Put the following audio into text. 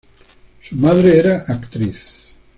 Su madre era actriz.